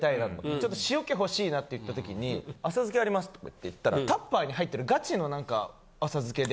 ちょっと塩気欲しいなって言った時に「浅漬けあります」とかって言ったらタッパーに入ってるガチのなんか浅漬けで。